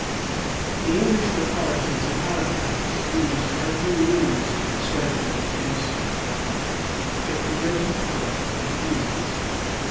The English authorities of Halifax used every means to persuade them to do so; yet the greater part refused.